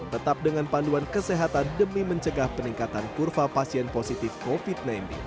tetap dengan panduan kesehatan demi mencegah peningkatan kurva pasien positif covid sembilan belas